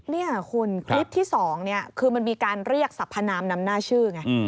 นี่คุณคลิปที่๒คือมันมีการเรียกสรรพนามนำหน้าชื่อไง